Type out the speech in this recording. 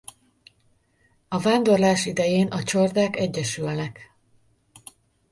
A vándorlás idején a csordák egyesülnek.